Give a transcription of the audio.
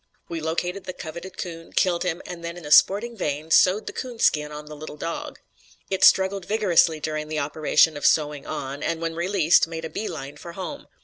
"We located the coveted coon, killed him, and then in a sporting vein, sewed the coon skin on the little dog. "It struggled vigorously during the operation of sewing on, and when released made a bee line for home.